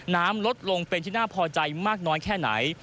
น้ำลดลงเป็นที่น่าพอใจมากน้อยแค่ไหน